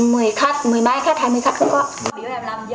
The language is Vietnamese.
mười khách mười mấy khách hai mươi khách cũng có